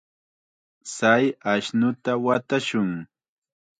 Chay ashnuta watashun.